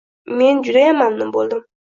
Men judayam mamnun boʻldim